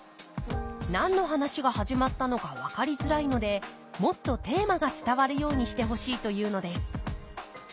何の話が始まったのか分かりづらいのでもっとテーマが伝わるようにしてほしいというのです。